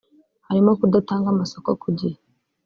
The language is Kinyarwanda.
harimo kudatanga amasoko ku gihe